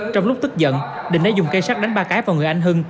trong lúc tức giận định đã dùng cây sắt đánh ba cái vào người anh hưng